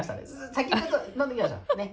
先ちょっと飲んどきましょう。ね？